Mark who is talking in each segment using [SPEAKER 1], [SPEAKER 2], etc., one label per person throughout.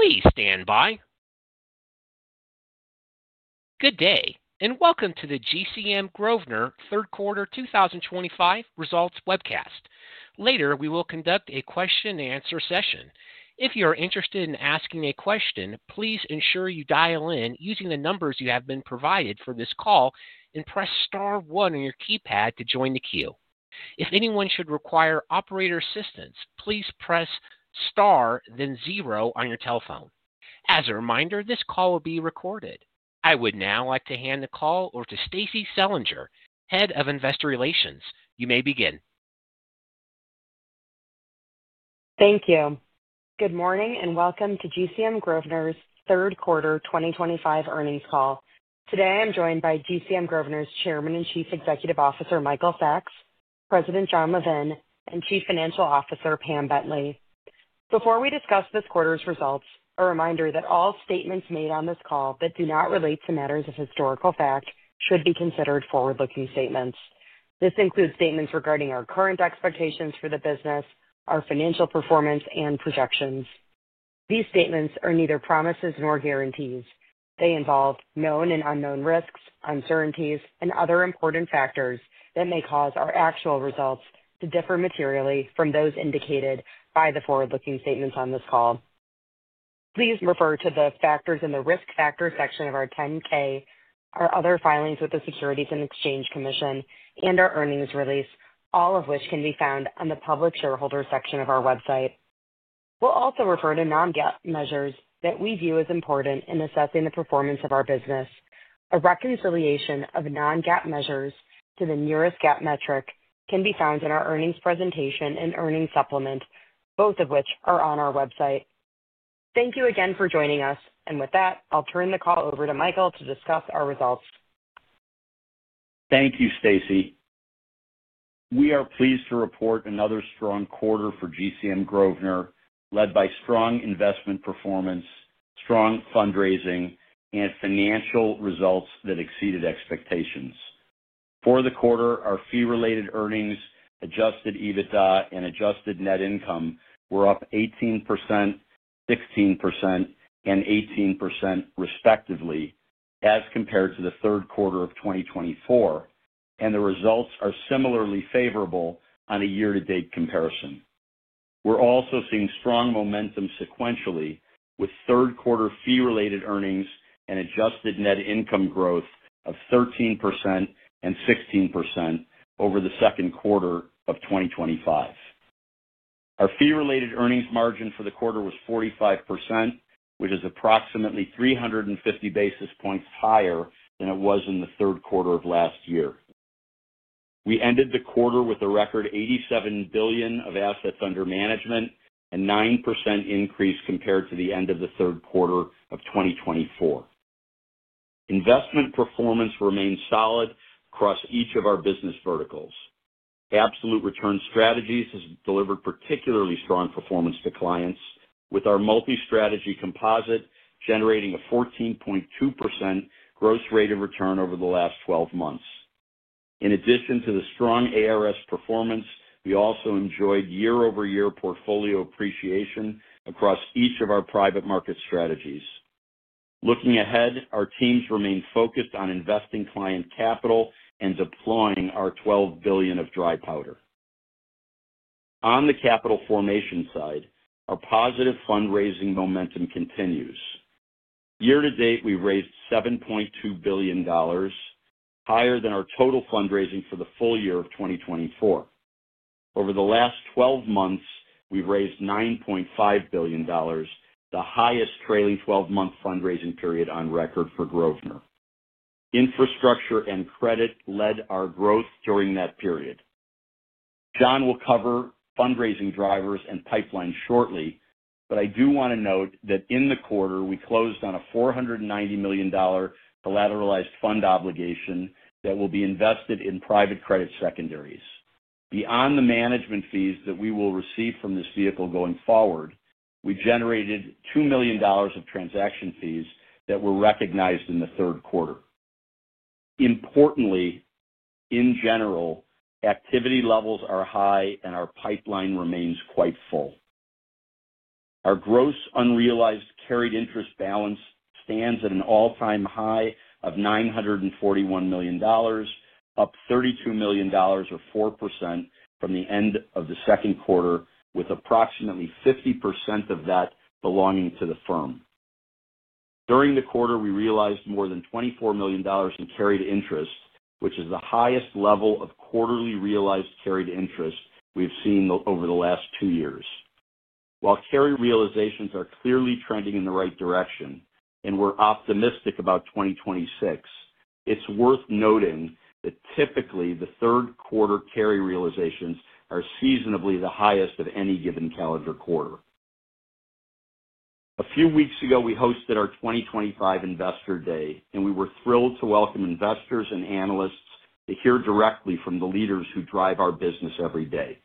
[SPEAKER 1] Please stand by. Good day, and welcome to the GCM Grosvenor Third Quarter 2025 Results Webcast. Later, we will conduct a question-and-answer session. If you are interested in asking a question, please ensure you dial in using the numbers you have been provided for this call and press star one on your keypad to join the queue. If anyone should require operator assistance, please press star then zero on your telephone. As a reminder, this call will be recorded. I would now like to hand the call over to Stacie Selinger, Head of Investor Relations. You may begin.
[SPEAKER 2] Thank you. Good morning, and welcome to GCM Grosvenor's Third Quarter 2025 Earnings Call. Today, I'm joined by GCM Grosvenor's Chairman and Chief Executive Officer Michael Sacks, President Jon Levin, and Chief Financial Officer Pam Bentley. Before we discuss this quarter's results, a reminder that all statements made on this call that do not relate to matters of historical fact should be considered forward-looking statements. This includes statements regarding our current expectations for the business, our financial performance, and projections. These statements are neither promises nor guarantees. They involve known and unknown risks, uncertainties, and other important factors that may cause our actual results to differ materially from those indicated by the forward-looking statements on this call. Please refer to the factors in the risk factor section of our 10-K, our other filings with the Securities and Exchange Commission, and our earnings release, all of which can be found on the public shareholder section of our website. We'll also refer to non-GAAP measures that we view as important in assessing the performance of our business. A reconciliation of non-GAAP measures to the nearest GAAP metric can be found in our earnings presentation and earnings supplement, both of which are on our website. Thank you again for joining us, and with that, I'll turn the call over to Michael to discuss our results.
[SPEAKER 3] Thank you, Stacie. We are pleased to report another strong quarter for GCM Grosvenor, led by strong investment performance, strong fundraising, and financial results that exceeded expectations. For the quarter, our fee-related earnings, adjusted EBITDA, and adjusted net income were up 18%, 16%, and 18%, respectively, as compared to the third quarter of 2024, and the results are similarly favorable on a year-to-date comparison. We're also seeing strong momentum sequentially with third quarter fee-related earnings and adjusted net income growth of 13% and 16% over the second quarter of 2025. Our fee-related earnings margin for the quarter was 45%, which is approximately 350 basis points higher than it was in the third quarter of last year. We ended the quarter with a record $87 billion of assets under management and a 9% increase compared to the end of the third quarter of 2024. Investment performance remained solid across each of our business verticals. Absolute Return Strategies has delivered particularly strong performance to clients, with our multi-strategy composite generating a 14.2% gross rate of return over the last 12 months. In addition to the strong ARS performance, we also enjoyed year-over-year portfolio appreciation across each of our private market strategies. Looking ahead, our teams remain focused on investing client capital and deploying our $12 billion of dry powder. On the capital formation side, our positive fundraising momentum continues. Year-to-date, we've raised $7.2 billion, higher than our total fundraising for the full year of 2024. Over the last 12 months, we've raised $9.5 billion, the highest trailing 12-month fundraising period on record for Grosvenor. Infrastructure and credit led our growth during that period. Jon will cover fundraising drivers and pipeline shortly, but I do want to note that in the quarter, we closed on a $490 million. Collateralized fund obligation that will be invested in private credit secondaries. Beyond the management fees that we will receive from this vehicle going forward, we generated $2 million of transaction fees that were recognized in the third quarter. Importantly, in general, activity levels are high, and our pipeline remains quite full. Our gross unrealized carried interest balance stands at an all-time high of $941 million, up $32 million, or 4%, from the end of the second quarter, with approximately 50% of that belonging to the firm. During the quarter, we realized more than $24 million in carried interest, which is the highest level of quarterly realized carried interest we've seen over the last two years. While carry realizations are clearly trending in the right direction, and we're optimistic about 2026, it's worth noting that typically, the third quarter carry realizations are seasonably the highest of any given calendar quarter. A few weeks ago, we hosted our 2025 Investor Day, and we were thrilled to welcome investors and analysts to hear directly from the leaders who drive our business every day.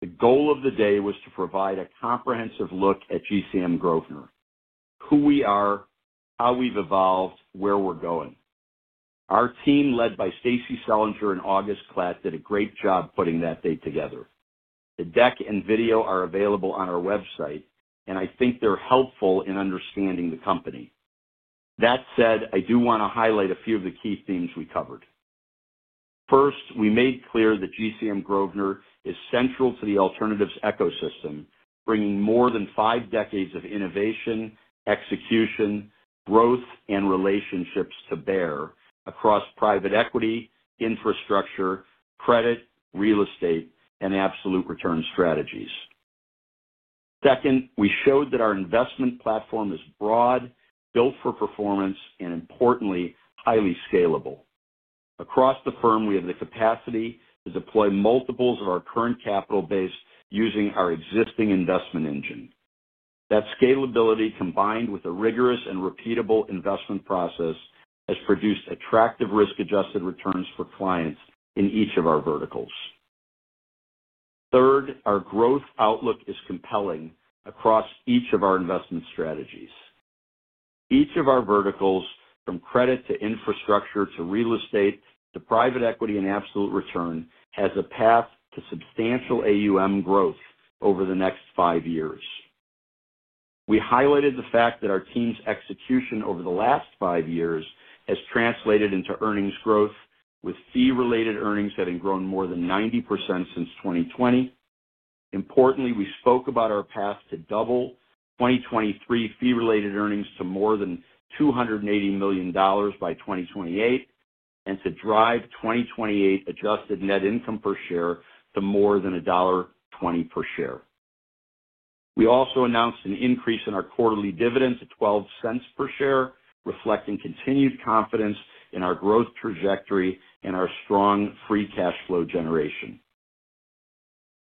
[SPEAKER 3] The goal of the day was to provide a comprehensive look at GCM Grosvenor: who we are, how we've evolved, where we're going. Our team, led by Stacie Selinger and August Klatt, did a great job putting that day together. The deck and video are available on our website, and I think they're helpful in understanding the company. That said, I do want to highlight a few of the key themes we covered. First, we made clear that GCM Grosvenor is central to the alternatives ecosystem, bringing more than five decades of innovation, execution, growth, and relationships to bear across private equity, infrastructure, credit, real estate, and Absolute Return Strategies. Second, we showed that our investment platform is broad, built for performance, and importantly, highly scalable. Across the firm, we have the capacity to deploy multiples of our current capital base using our existing investment engine. That scalability, combined with a rigorous and repeatable investment process, has produced attractive risk-adjusted returns for clients in each of our verticals. Third, our growth outlook is compelling across each of our investment strategies. Each of our verticals, from credit to infrastructure to real estate to private equity and absolute return, has a path to substantial AUM growth over the next five years. We highlighted the fact that our team's execution over the last five years has translated into earnings growth, with fee-related earnings having grown more than 90% since 2020. Importantly, we spoke about our path to double 2023 fee-related earnings to more than $280 million by 2028 and to drive 2028 adjusted net income per share to more than $1.20 per share. We also announced an increase in our quarterly dividend to $0.12 per share, reflecting continued confidence in our growth trajectory and our strong free cash flow generation.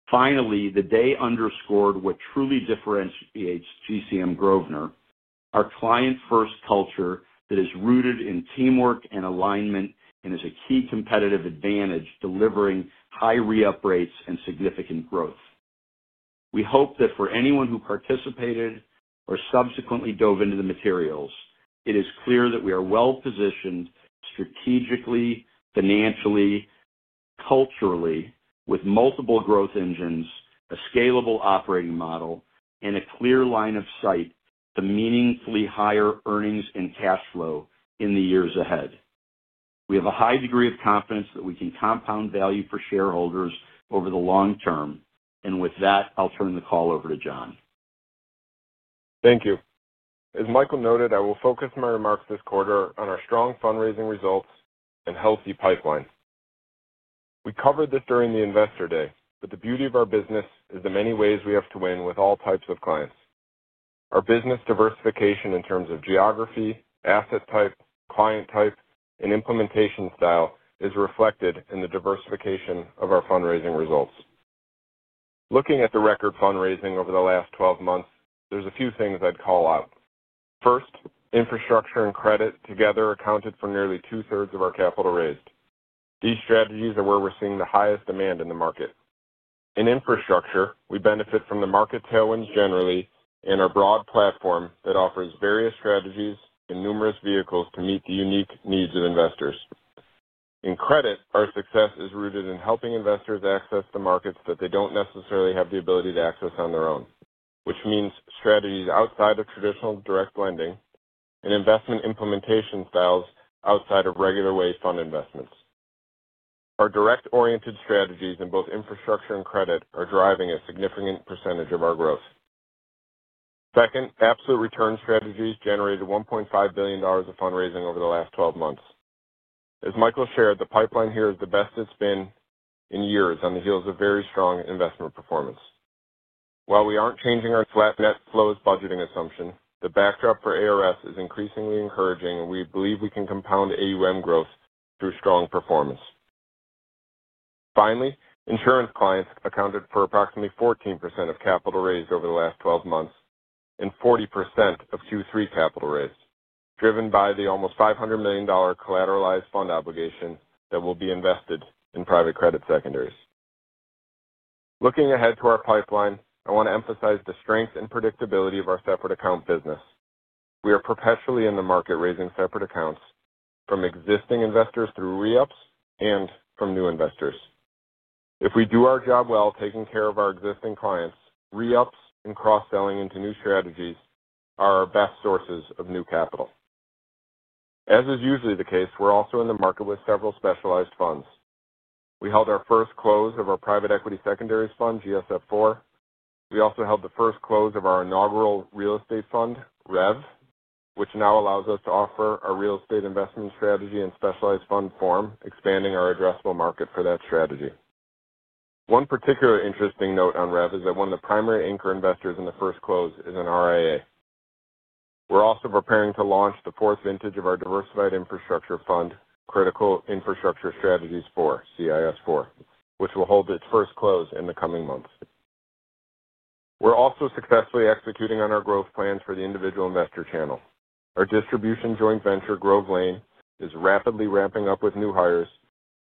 [SPEAKER 3] Finally, the day underscored what truly differentiates GCM Grosvenor: our client-first culture that is rooted in teamwork and alignment and is a key competitive advantage, delivering high re-up rates and significant growth. We hope that for anyone who participated or subsequently dove into the materials, it is clear that we are well-positioned strategically, financially, and culturally with multiple growth engines, a scalable operating model, and a clear line of sight to meaningfully higher earnings and cash flow in the years ahead. We have a high degree of confidence that we can compound value for shareholders over the long term, and with that, I'll turn the call over to Jon.
[SPEAKER 4] Thank you. As Michael noted, I will focus my remarks this quarter on our strong fundraising results and healthy pipeline. We covered this during the Investor Day, but the beauty of our business is the many ways we have to win with all types of clients. Our business diversification in terms of geography, asset type, client type, and implementation style is reflected in the diversification of our fundraising results. Looking at the record fundraising over the last 12 months, there's a few things I'd call out. First, infrastructure and credit together accounted for nearly 2/3 of our capital raised. These strategies are where we're seeing the highest demand in the market. In infrastructure, we benefit from the market tailwinds generally and our broad platform that offers various strategies and numerous vehicles to meet the unique needs of investors. In credit, our success is rooted in helping investors access the markets that they don't necessarily have the ability to access on their own, which means strategies outside of traditional direct lending and investment implementation styles outside of regular way fund investments. Our direct-oriented strategies in both infrastructure and credit are driving a significant percentage of our growth. Second, Absolute Return Strategies generated $1.5 billion of fundraising over the last 12 months. As Michael shared, the pipeline here is the best it's been in years on the heels of very strong investment performance. While we aren't changing our flat net flows budgeting assumption, the backdrop for ARS is increasingly encouraging, and we believe we can compound AUM growth through strong performance. Finally, insurance clients accounted for approximately 14% of capital raised over the last 12 months and 40% of Q3 capital raised, driven by the almost $500 million collateralized fund obligation that will be invested in private credit secondaries. Looking ahead to our pipeline, I want to emphasize the strength and predictability of our separate account business. We are perpetually in the market raising separate accounts from existing investors through re-ups and from new investors. If we do our job well taking care of our existing clients, re-ups and cross-selling into new strategies are our best sources of new capital. As is usually the case, we're also in the market with several specialized funds. We held our first close of our private equity secondaries fund, GSF IV. We also held the first close of our inaugural real estate fund, REV, which now allows us to offer our real estate investment strategy in specialized fund form, expanding our addressable market for that strategy. One particular interesting note on REV is that one of the primary anchor investors in the first close is an RIA. We're also preparing to launch the fourth vintage of our diversified infrastructure fund, Critical Infrastructure Strategies IV, CIS IV, which will hold its first close in the coming months. We're also successfully executing on our growth plans for the individual investor channel. Our distribution joint venture, Grove Lane, is rapidly ramping up with new hires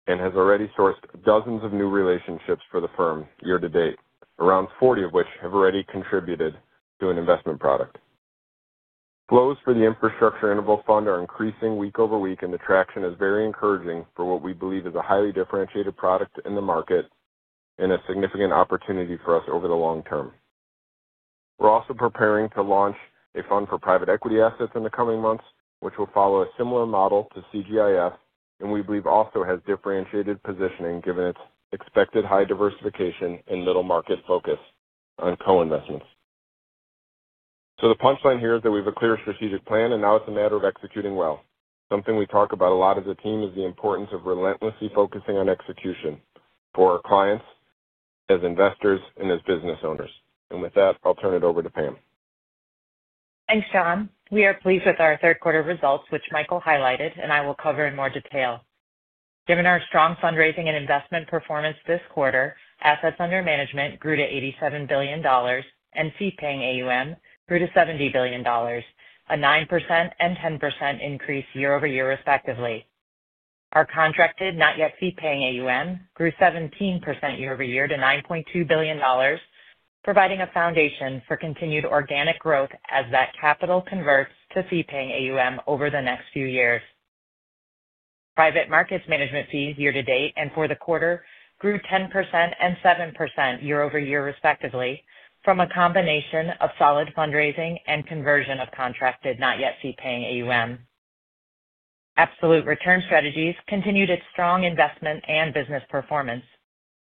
[SPEAKER 4] and has already sourced dozens of new relationships for the firm year-to-date, around 40 of which have already contributed to an investment product. Close for the infrastructure interval fund are increasing week-over-week, and the traction is very encouraging for what we believe is a highly differentiated product in the market. It is a significant opportunity for us over the long term. We are also preparing to launch a fund for private equity assets in the coming months, which will follow a similar model to CGIF, and we believe also has differentiated positioning given its expected high diversification and middle market focus on co-investments. The punchline here is that we have a clear strategic plan, and now it is a matter of executing well. Something we talk about a lot as a team is the importance of relentlessly focusing on execution for our clients, as investors, and as business owners. With that, I'll turn it over to Pam.
[SPEAKER 5] Thanks, Jon. We are pleased with our third quarter results, which Michael highlighted, and I will cover in more detail. Given our strong fundraising and investment performance this quarter, assets under management grew to $87 billion, and fee-paying AUM grew to $70 billion, a 9% and 10% increase year-over-year respectively. Our contracted-not-yet fee-paying AUM grew 17% year-over-year to $9.2 billion, providing a foundation for continued organic growth as that capital converts to fee-paying AUM over the next few years. Private Markets management fees year-to-date and for the quarter grew 10% and 7% year-over-year respectively from a combination of solid fundraising and conversion of contracted, not yet fee-paying AUM. Absolute Return Strategies continued its strong investment and business performance.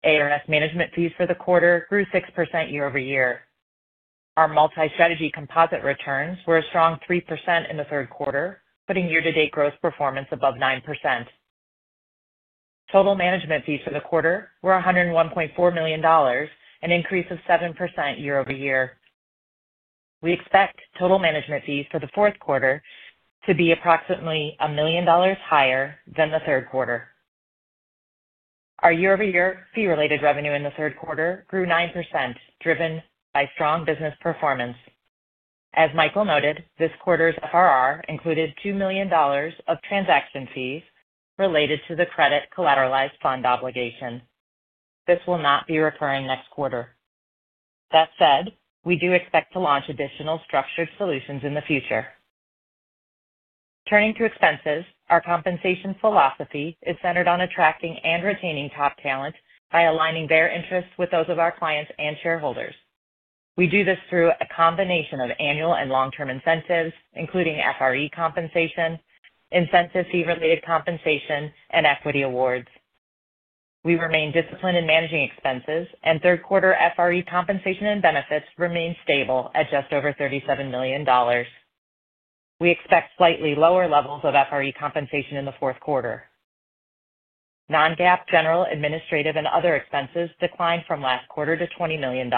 [SPEAKER 5] ARS management fees for the quarter grew 6% year-over-year. Our multi-strategy composite returns were a strong 3% in the third quarter, putting year-to-date growth performance above 9%. Total management fees for the quarter were $101.4 million, an increase of 7% year-over-year. We expect total management fees for the fourth quarter to be approximately $1 million higher than the third quarter. Our year-over-year fee-related revenue in the third quarter grew 9%, driven by strong business performance. As Michael noted, this quarter's FRR included $2 million of transaction fees related to the credit collateralized fund obligation. This will not be recurring next quarter. That said, we do expect to launch additional structured solutions in the future. Turning to expenses, our compensation philosophy is centered on attracting and retaining top talent by aligning their interests with those of our clients and shareholders. We do this through a combination of annual and long-term incentives, including FRE compensation, incentive fee-related compensation, and equity awards. We remain disciplined in managing expenses, and third quarter FRE compensation and benefits remain stable at just over $37 million. We expect slightly lower levels of FRE compensation in the fourth quarter. Non-GAAP General Administrative and other expenses declined from last quarter to $20 million.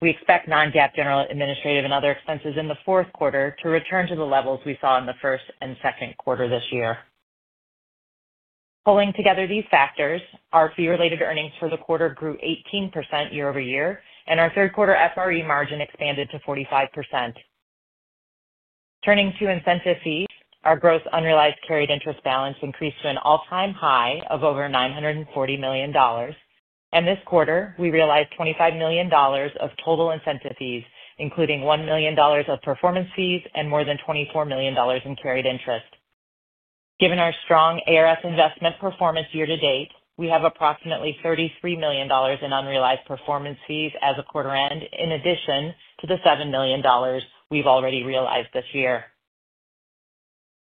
[SPEAKER 5] We expect non-GAAP General Administrative and other expenses in the fourth quarter to return to the levels we saw in the first and second quarter this year. Pulling together these factors, our fee-related earnings for the quarter grew 18% year-over-year, and our third quarter FRE margin expanded to 45%. Turning to incentive fees, our gross unrealized carried interest balance increased to an all-time high of over $940 million, and this quarter we realized $25 million of total incentive fees, including $1 million of performance fees and more than $24 million in carried interest. Given our strong ARS investment performance year-to-date, we have approximately $33 million in unrealized performance fees as a quarter-end, in addition to the $7 million we've already realized this year.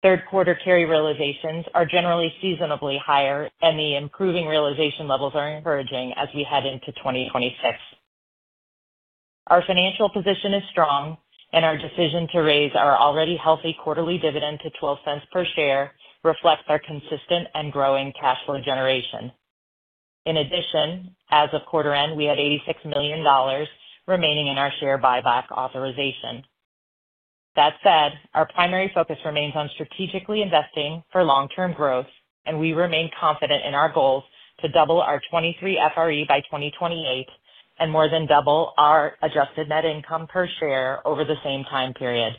[SPEAKER 5] Third quarter carry realizations are generally seasonably higher, and the improving realization levels are encouraging as we head into 2026. Our financial position is strong, and our decision to raise our already healthy quarterly dividend to $0.12 per share reflects our consistent and growing cash flow generation. In addition, as of quarter-end, we had $86 million remaining in our share buyback authorization. That said, our primary focus remains on strategically investing for long-term growth, and we remain confident in our goals to double our 2023 FRE by 2028 and more than double our adjusted net income per share over the same time period.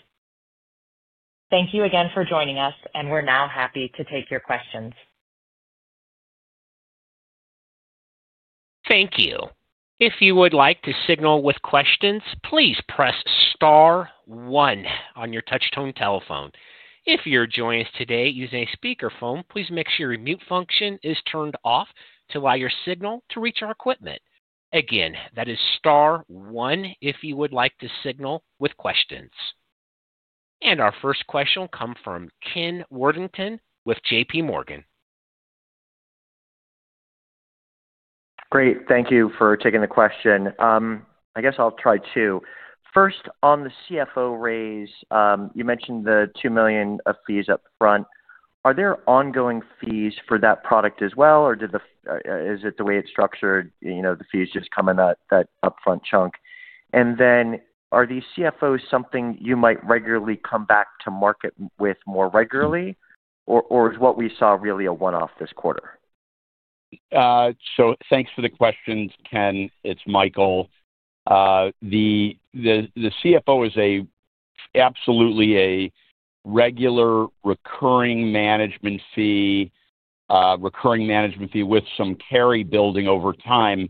[SPEAKER 5] Thank you again for joining us, and we're now happy to take your questions.
[SPEAKER 1] Thank you. If you would like to signal with questions, please press star one on your touch-tone telephone. If you're joining us today using a speakerphone, please make sure your mute function is turned off to allow your signal to reach our equipment. Again, that is star one if you would like to signal with questions. Our first question will come from Ken Worthington with JPMorgan.
[SPEAKER 6] Great. Thank you for taking the question. I guess I'll try two. First, on the CFO raise, you mentioned the $2 million of fees upfront. Are there ongoing fees for that product as well, or is it the way it's structured, the fees just come in that upfront chunk? Then are these CFOs something you might regularly come back to market with more regularly, or is what we saw really a one-off this quarter?
[SPEAKER 3] Thanks for the questions, Ken. It's Michael. The CFO is absolutely a regular recurring management fee. Recurring management fee with some carry building over time.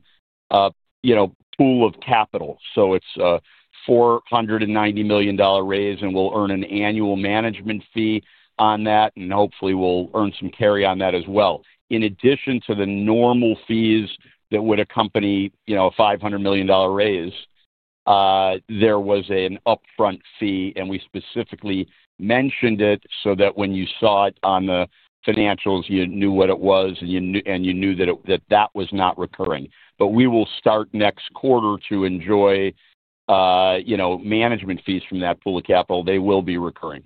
[SPEAKER 3] Pool of capital. It's a $490 million raise, and we'll earn an annual management fee on that, and hopefully we'll earn some carry on that as well. In addition to the normal fees that would accompany a $500 million raise. There was an upfront fee, and we specifically mentioned it so that when you saw it on the financials, you knew what it was, and you knew that that was not recurring. We will start next quarter to enjoy management fees from that pool of capital. They will be recurring.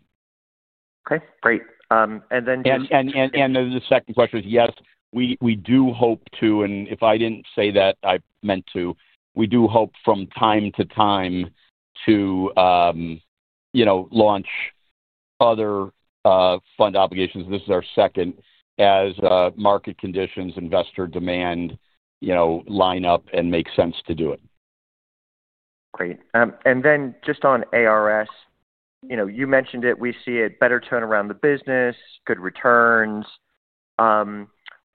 [SPEAKER 6] Okay. Great. And then-
[SPEAKER 3] The second question is, yes, we do hope to, and if I did not say that, I meant to, we do hope from time to time to launch other fund obligations. This is our second, as market conditions, investor demand line up and make sense to do it.
[SPEAKER 6] Great. Then just on ARS, you mentioned it. We see a better turnaround in the business, good returns.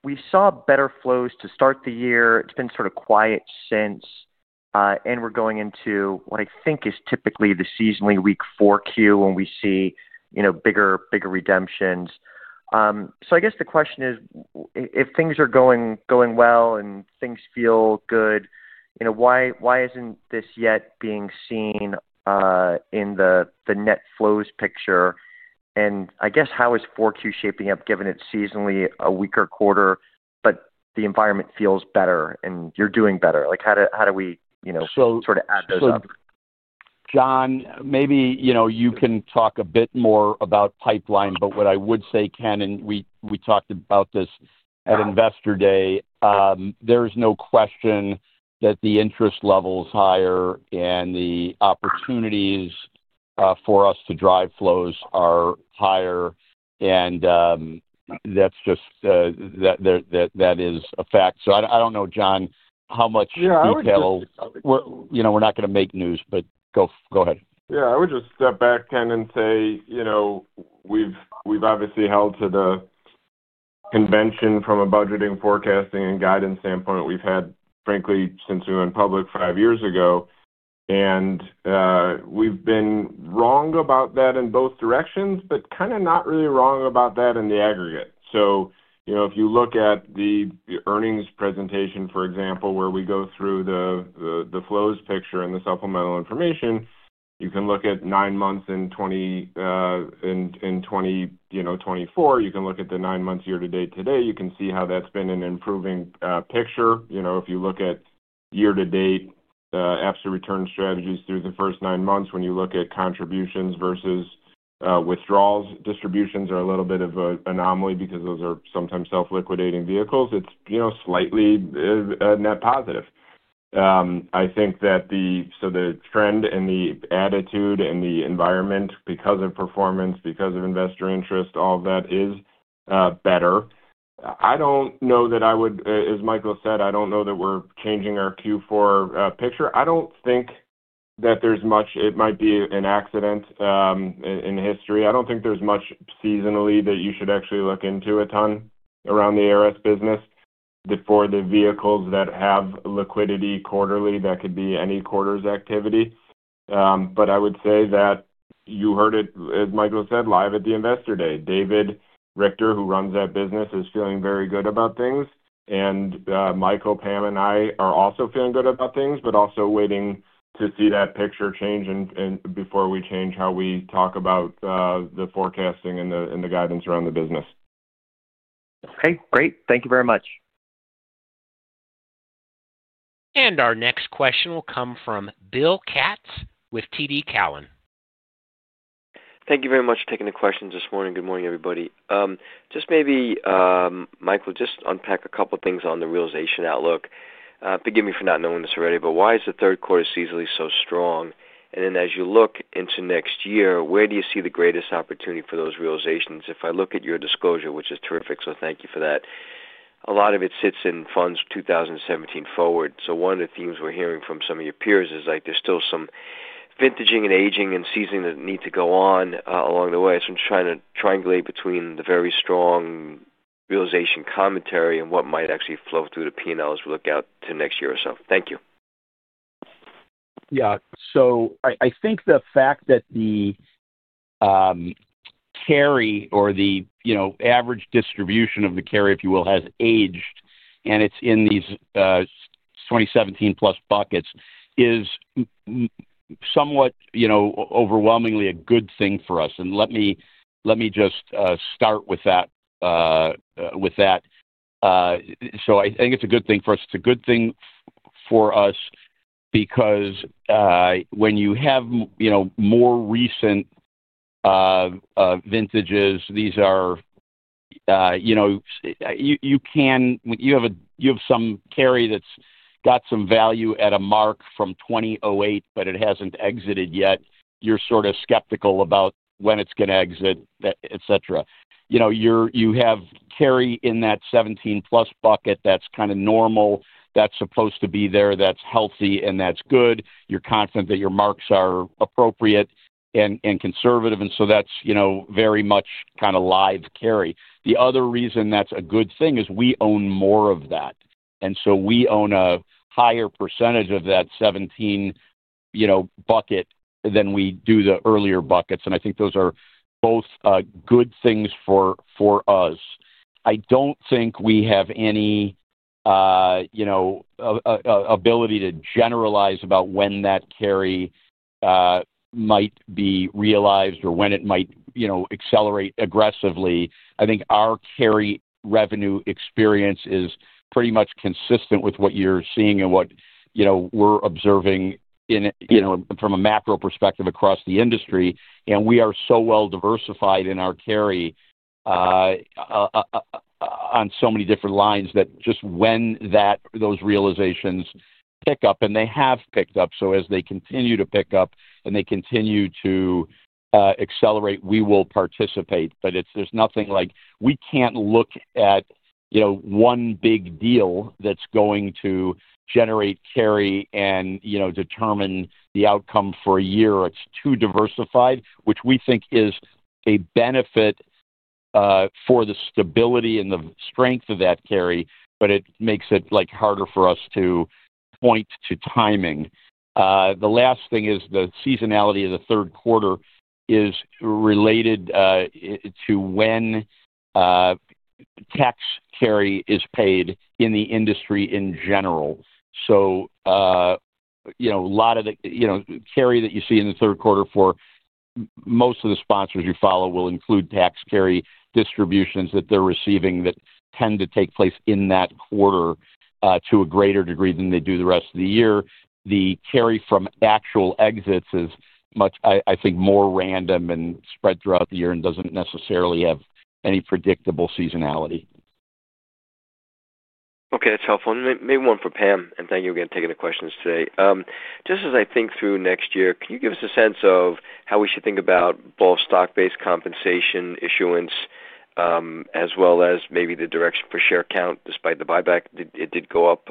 [SPEAKER 6] We saw better flows to start the year. It's been sort of quiet since, and we're going into what I think is typically the seasonally weak 4Q when we see bigger redemptions. I guess the question is, if things are going well and things feel good, why isn't this yet being seen in the net flows picture? I guess how is 4Q shaping up given it's seasonally a weaker quarter, but the environment feels better and you're doing better? How do we sort of add those up?
[SPEAKER 3] Jon, maybe you can talk a bit more about pipeline, but what I would say, Ken, and we talked about this at investor day. There is no question that the interest level is higher and the opportunities. For us to drive flows are higher, and. That is just. That is a fact. I do not know, Jon, how much detail. We are not going to make news, but go ahead.
[SPEAKER 4] Yeah. I would just step back, Ken, and say. We've obviously held to the convention from a budgeting, forecasting, and guidance standpoint we've had, frankly, since we went public five years ago. We've been wrong about that in both directions, but kind of not really wrong about that in the aggregate. If you look at the Earnings Presentation, for example, where we go through the flows picture and the supplemental information, you can look at nine months in 2024. You can look at the nine-month year-to-date today. You can see how that's been an improving picture. If you look at year-to-date absolute return strategies through the first nine months, when you look at contributions versus withdrawals, distributions are a little bit of an anomaly because those are sometimes self-liquidating vehicles. It's slightly net positive. I think that the trend and the attitude and the environment, because of performance, because of investor interest, all of that is better. I do not know that I would, as Michael said, I do not know that we are changing our Q4 picture. I do not think that there is much, it might be an accident. In history. I do not think there is much seasonally that you should actually look into a ton around the ARS business. For the vehicles that have liquidity quarterly, that could be any quarter's activity. I would say that you heard it, as Michael said, live at the Investor Day. David Richter, who runs that business, is feeling very good about things. Michael, Pam, and I are also feeling good about things, but also waiting to see that picture change before we change how we talk about the forecasting and the guidance around the business.
[SPEAKER 6] Okay. Great. Thank you very much.
[SPEAKER 1] Our next question will come from Bill Katz with TD Cowen.
[SPEAKER 7] Thank you very much for taking the questions this morning. Good morning, everybody. Just maybe, Michael, just unpack a couple of things on the realization outlook. Forgive me for not knowing this already, but why is the third quarter seasonally so strong? As you look into next year, where do you see the greatest opportunity for those realizations? If I look at your disclosure, which is terrific, so thank you for that, a lot of it sits in funds 2017 forward. One of the themes we're hearing from some of your peers is there's still some vintaging and aging and seasoning that need to go on along the way. I'm just trying to triangulate between the very strong realization commentary and what might actually flow through the P&L as we look out to next year or so. Thank you.
[SPEAKER 3] Yeah. I think the fact that the carry, or the average distribution of the carry, if you will, has aged and it's in these 2017+ buckets is somewhat overwhelmingly a good thing for us. Let me just start with that. I think it's a good thing for us. It's a good thing for us because when you have more recent vintages, these are, you have some carry that's got some value at a mark from 2008, but it hasn't exited yet. You're sort of skeptical about when it's going to exit, etc. You have carry in that 2017+ bucket that's kind of normal. That's supposed to be there. That's healthy, and that's good. You're confident that your marks are appropriate and conservative. That's very much kind of live carry. The other reason that's a good thing is we own more of that. We own a higher percentage of that 17 bucket than we do the earlier buckets. I think those are both good things for us. I do not think we have any ability to generalize about when that carry might be realized or when it might accelerate aggressively. I think our carry revenue experience is pretty much consistent with what you are seeing and what we are observing from a macro perspective across the industry. We are so well diversified in our carry on so many different lines that just when those realizations pick up, and they have picked up, as they continue to pick up and they continue to accelerate, we will participate. There is nothing like we cannot look at one big deal that is going to generate carry and determine the outcome for a year. It is too diversified, which we think is a benefit. For the stability and the strength of that carry, but it makes it harder for us to point to timing. The last thing is the seasonality of the third quarter is related to when tax carry is paid in the industry in general. A lot of the carry that you see in the third quarter for most of the sponsors you follow will include tax carry distributions that they are receiving that tend to take place in that quarter to a greater degree than they do the rest of the year. The carry from actual exits is, I think, more random and spread throughout the year and does not necessarily have any predictable seasonality.
[SPEAKER 7] Okay. That's helpful. Maybe one for Pam. Thank you again for taking the questions today. Just as I think through next year, can you give us a sense of how we should think about both stock-based compensation issuance as well as maybe the direction for share count despite the buyback? It did go up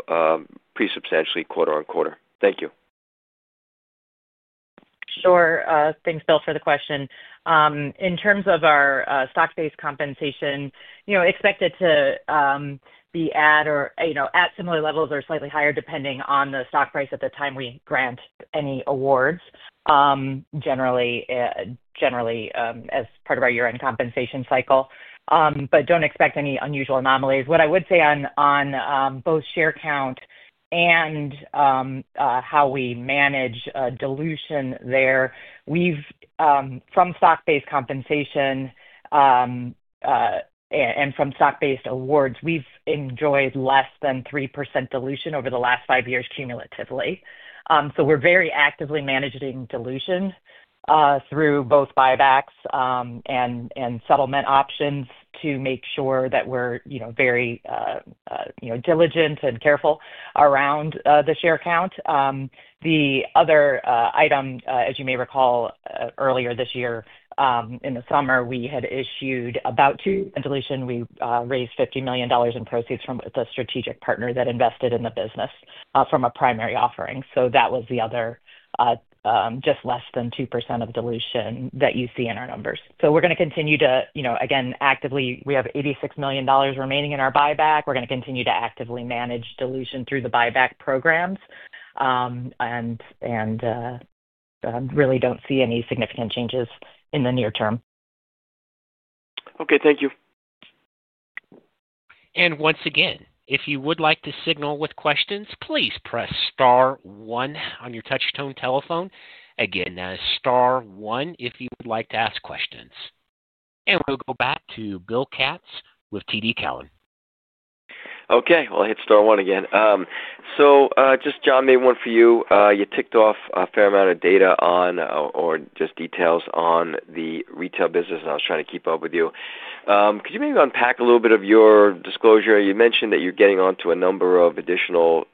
[SPEAKER 7] pretty substantially quarter on quarter. Thank you.
[SPEAKER 5] Sure. Thanks, Bill, for the question. In terms of our stock-based compensation, expect it to be at similar levels or slightly higher depending on the stock price at the time we grant any awards. Generally, as part of our year-end compensation cycle, but do not expect any unusual anomalies. What I would say on both share count and how we manage dilution there, from stock-based compensation and from stock-based awards, we've enjoyed less than 3% dilution over the last five years cumulatively. We are very actively managing dilution through both buybacks and settlement options to make sure that we are very diligent and careful around the share count. The other item, as you may recall, earlier this year, in the summer, we had issued about two in dilution. We raised $50 million in proceeds from the strategic partner that invested in the business from a primary offering. That was the other, just less than 2% of dilution that you see in our numbers. We are going to continue to, again, actively—we have $86 million remaining in our buyback. We are going to continue to actively manage dilution through the buyback programs. Really do not see any significant changes in the near term.
[SPEAKER 7] Okay. Thank you.
[SPEAKER 1] If you would like to signal with questions, please press star one on your touch-tone telephone. Again, that is star one if you would like to ask questions. We will go back to Bill Katz with TD Cowen.
[SPEAKER 7] Okay. I hit star one again. Just, Jon, maybe one for you. You ticked off a fair amount of data or just details on the retail business, and I was trying to keep up with you. Could you maybe unpack a little bit of your disclosure? You mentioned that you're getting onto a number of additional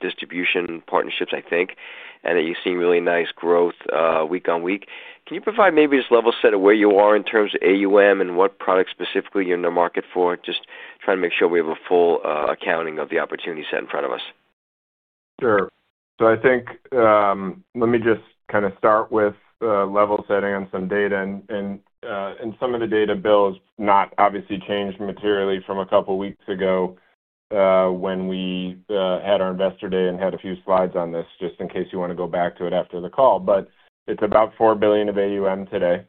[SPEAKER 7] distribution partnerships, I think, and that you've seen really nice growth week on week. Can you provide maybe just level set of where you are in terms of AUM and what product specifically you're in the market for? Just trying to make sure we have a full accounting of the opportunity set in front of us.
[SPEAKER 4] Sure. I think, let me just kind of start with level setting on some data. Some of the data, Bill, has not obviously changed materially from a couple of weeks ago when we had our Investor Day and had a few slides on this, just in case you want to go back to it after the call. It is about $4 billion of AUM today,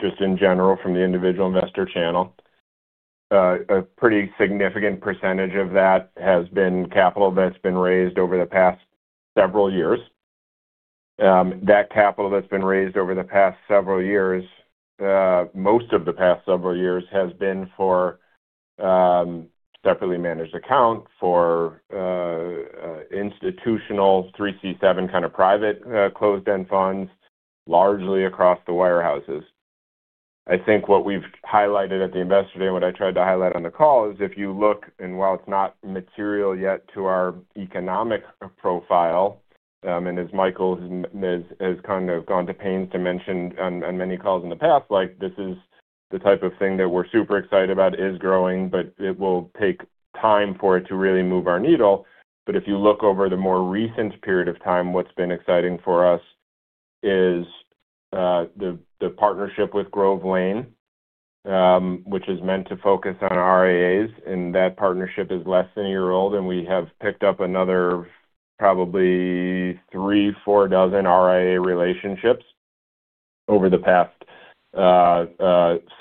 [SPEAKER 4] just in general from the individual investor channel. A pretty significant percentage of that has been capital that has been raised over the past several years. That capital that has been raised over the past several years, most of the past several years, has been for separately managed accounts, for institutional 3C7 kind of private closed-end funds, largely across the warehouses. I think what we've highlighted at the Investor Day and what I tried to highlight on the call is if you look—and while it's not material yet to our economic profile—and as Michael has kind of gone to pains to mention on many calls in the past, this is the type of thing that we're super excited about. It is growing, but it will take time for it to really move our needle. If you look over the more recent period of time, what's been exciting for us is the partnership with Grove Lane, which is meant to focus on RIAs. That partnership is less than a year old, and we have picked up another probably three, four dozen RIA relationships over the past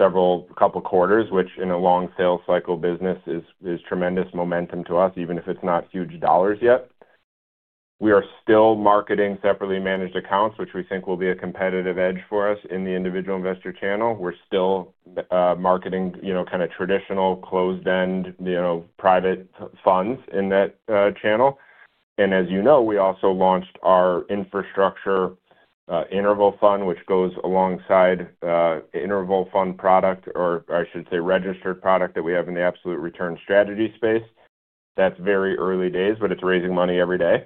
[SPEAKER 4] several couple of quarters, which in a long sales cycle business is tremendous momentum to us, even if it's not huge dollars yet. We are still marketing separately managed accounts, which we think will be a competitive edge for us in the individual investor channel. We're still marketing kind of traditional closed-end private funds in that channel. As you know, we also launched our Infrastructure Interval Fund, which goes alongside the interval fund product, or I should say registered product, that we have in the absolute return strategy space. That's very early days, but it's raising money every day.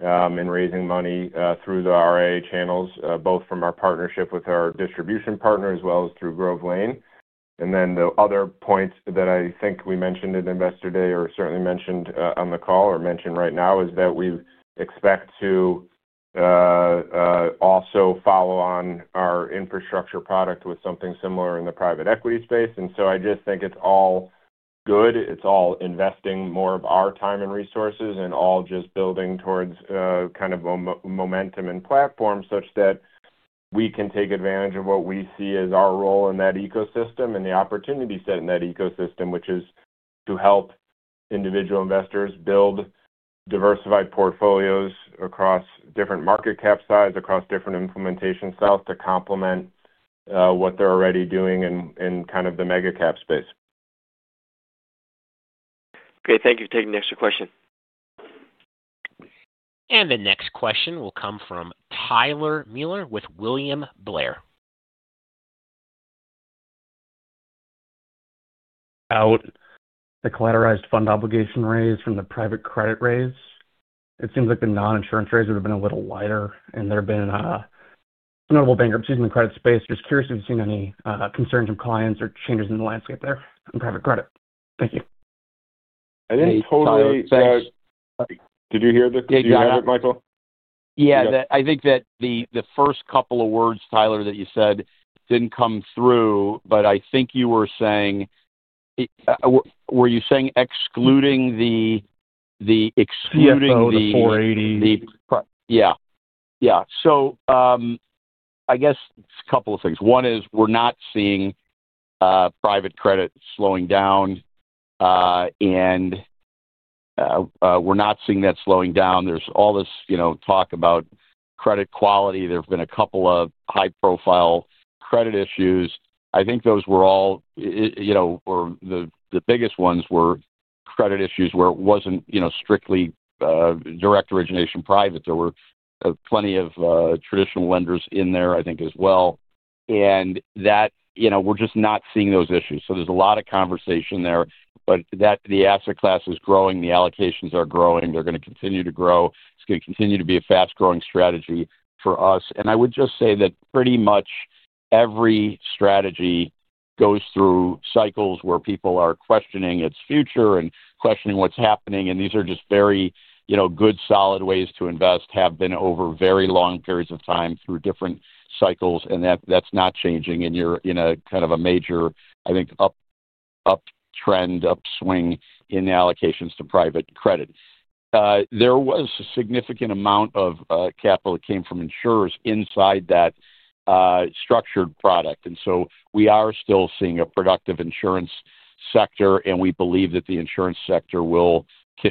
[SPEAKER 4] It's raising money through the RIA channels, both from our partnership with our distribution partner as well as through Grove Lane. The other points that I think we mentioned at Investor Day or certainly mentioned on the call or mentioned right now is that we expect to also follow on our infrastructure product with something similar in the private equity space. I just think it's all good. It's all investing more of our time and resources and all just building towards kind of momentum and platform such that we can take advantage of what we see as our role in that ecosystem and the opportunity set in that ecosystem, which is to help individual investors build diversified portfolios across different market cap size, across different implementation styles to complement what they're already doing in kind of the mega cap space.
[SPEAKER 7] Okay. Thank you for taking the extra question.
[SPEAKER 1] The next question will come from Tyler Mulier with William Blair.
[SPEAKER 8] About the Collateralized Fund Obligation raise from the private credit raise. It seems like the non-insurance raise would have been a little lighter, and there have been notable bankruptcies in the credit space. Just curious if you've seen any concerns from clients or changes in the landscape there in private credit. Thank you.
[SPEAKER 4] Did you hear that? Did you hear it, Michael?
[SPEAKER 3] Yeah. I think that the first couple of words, Tyler, that you said did not come through, but I think you were saying. Were you saying excluding the. Excluding the-
[SPEAKER 8] Excluding the $480 million.
[SPEAKER 3] Yeah. Yeah. I guess it's a couple of things. One is we're not seeing private credit slowing down. We're not seeing that slowing down. There's all this talk about credit quality. There have been a couple of high-profile credit issues. I think those were all, or the biggest ones were credit issues where it wasn't strictly direct origination private. There were plenty of traditional lenders in there, I think, as well. We're just not seeing those issues. There's a lot of conversation there, but the asset class is growing. The allocations are growing. They're going to continue to grow. It's going to continue to be a fast-growing strategy for us. I would just say that pretty much every strategy goes through cycles where people are questioning its future and questioning what's happening. These are just very good, solid ways to invest, have been over very long periods of time through different cycles. That is not changing. You are in kind of a major, I think, uptrend, upswing in allocations to private credit. There was a significant amount of capital that came from insurers inside that structured product. We are still seeing a productive insurance sector. We believe that the insurance sector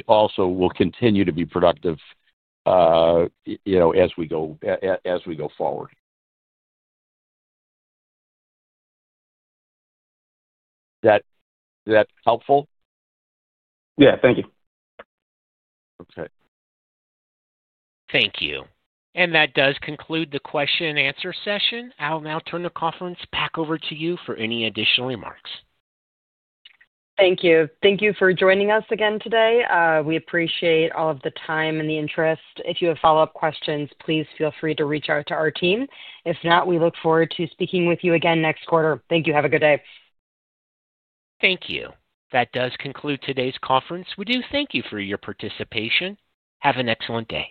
[SPEAKER 3] also will continue to be productive as we go forward. Is that helpful?
[SPEAKER 8] Yeah. Thank you.
[SPEAKER 3] Okay.
[SPEAKER 1] Thank you. That does conclude the question-and-answer session. I'll now turn the conference back over to you for any additional remarks.
[SPEAKER 5] Thank you. Thank you for joining us again today. We appreciate all of the time and the interest. If you have follow-up questions, please feel free to reach out to our team. If not, we look forward to speaking with you again next quarter. Thank you. Have a good day.
[SPEAKER 1] Thank you. That does conclude today's conference. We do thank you for your participation. Have an excellent day.